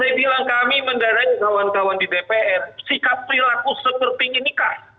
saya bilang kami mendarat kawan kawan di dpr sikap perilaku seperti ini kah